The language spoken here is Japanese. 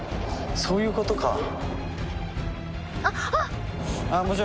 そういうことか。